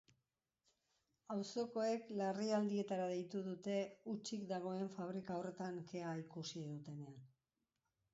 Auzokoek larrialdietara deitu dute hutsik dagoen fabrika horretan kea ikusi dutenean.